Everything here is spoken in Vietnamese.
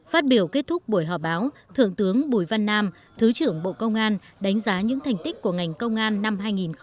phát biểu kết thúc buổi họp báo thượng tướng bùi văn nam thứ trưởng bộ công an đánh giá những thành tích của ngành công an năm hai nghìn hai mươi ba